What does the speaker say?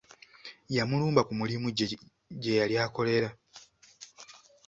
Yamulumba ku mulimu gye yali akolera.